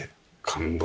感動。